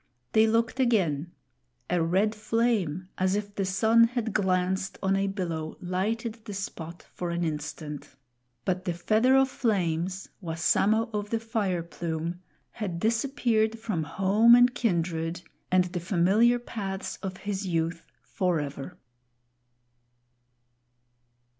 They looked again; a red flame, as if the sun had glanced on a billow, lighted the spot for an instant; but the Feather of Flames, Wassamo of the Fire Plume, had disappeared from home and kindred and the familiar paths of his youth, forever.